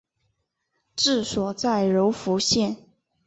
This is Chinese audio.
治所在柔服县。